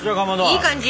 いい感じ？